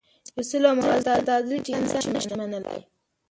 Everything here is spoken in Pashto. اصولو او موازینو تعدیل چې انسان نه شي منلای.